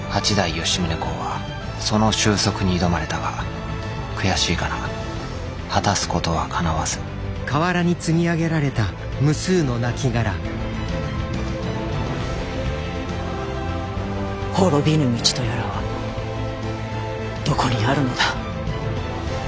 吉宗公はその収束に挑まれたが悔しいかな果たすことはかなわず滅びぬ道とやらはどこにあるのだ。